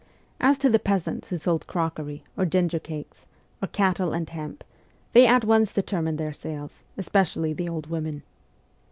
As to the peasants who sold crockery, or ginger cakes, or cattle and hemp, they at once determined their sales, especially the old women.